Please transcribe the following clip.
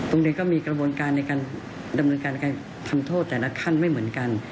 โรงเรียนก็มีกระบวนการในการดำเนินการการทำโทษแต่ละขั้นไม่เหมือนกัน